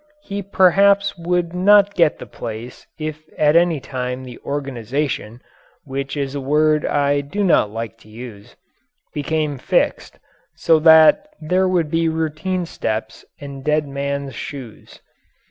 He perhaps would not get the place if at any time the organization which is a word I do not like to use became fixed, so that there would be routine steps and dead men's shoes.